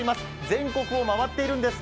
全国を回っているんです。